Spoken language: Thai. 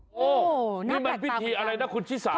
โอ้โหนี่มันพิธีอะไรนะคุณชิสา